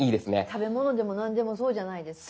食べ物でも何でもそうじゃないですか。